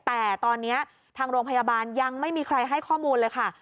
แต่ตอนนี้ทางโรงพยาบาลยังไม่มีใครให้ข้อมูลเลยค่ะ